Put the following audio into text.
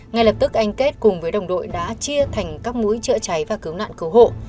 ngay lập tức anh kết cùng với đồng đội đã chia thành các mũi chữa cháy và cứu nạn cứu hộ